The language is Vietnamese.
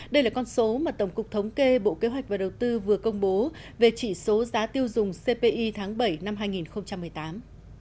đây là con số mà tổng cục thống kê bộ kế hoạch và đầu tư vừa công bố về chỉ số giá tiêu dùng cpi tháng bảy năm hai nghìn một mươi tám